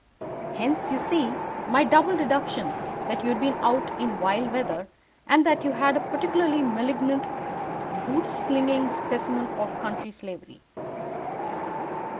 Hence, you see, my double deduction that you had been out in vile weather, and that you had a particularly malignant boot slicking specimen of the London slavey.